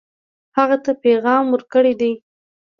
هغه ته پیغام ورکړی دی.